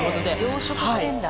養殖してるんだ。